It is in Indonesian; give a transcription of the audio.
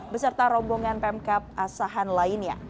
beserta rombongan pemkap asahan lainnya